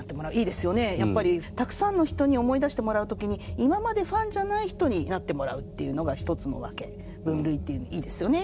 やっぱりたくさんの人に思い出してもらう時に今までファンじゃない人になってもらうっていうのが一つの分け分類っていうのいいですよね。